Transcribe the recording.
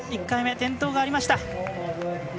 １回目、転倒がありました。